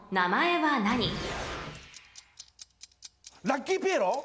ラッキーピエロ？